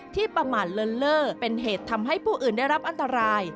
ประมาทเลินเล่อเป็นเหตุทำให้ผู้อื่นได้รับอันตราย